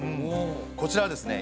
こちらはですね